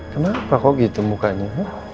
kenapa kok gitu mukanya